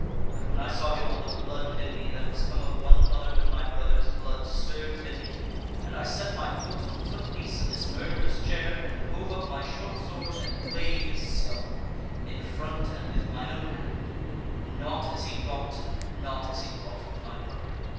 But when I saw him, all the blood within me that was come of one mother with my brother's blood stirred within me, and I set my foot on the foot pace of this murderer's chair, and hove up my short sword, and clave his skull, in front and with mine own hand: not as he wrought, not as he wrought with my brother.